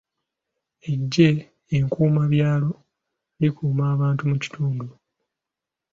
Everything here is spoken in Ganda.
Eggye ekkuumabyalo likuuma abantu mu kitundu.